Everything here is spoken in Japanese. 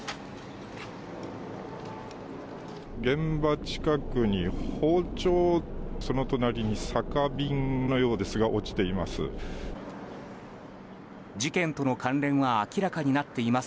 現場近くに包丁その隣に酒瓶のようですが落ちています。